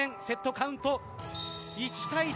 セットカウント１対１。